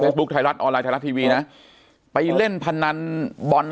บุ๊คไทยรัฐออนไลนไทยรัฐทีวีนะไปเล่นพนันบอล